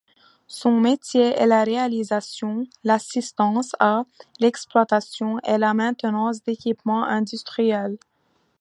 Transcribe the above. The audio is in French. Son métier est la réalisation, l’assistance à l’exploitation et la maintenance d'équipements industriels.